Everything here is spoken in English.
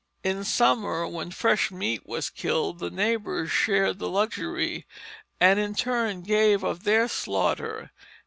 In summer when fresh meat was killed, the neighbors shared the luxury, and in turn gave of their slaughter.